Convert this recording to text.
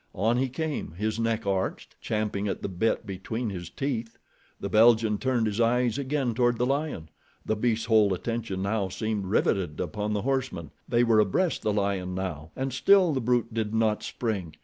On he came, his neck arched, champing at the bit between his teeth. The Belgian turned his eyes again toward the lion. The beast's whole attention now seemed riveted upon the horseman. They were abreast the lion now, and still the brute did not spring.